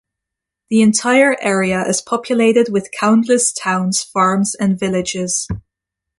The entire area is populated with countless towns, farms, and villages.